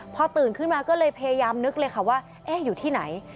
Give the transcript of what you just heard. พอตื่นขึ้นมาก็เลยพยายามนึกเลยค่ะว่าเอ๊ะอยู่ที่ไหน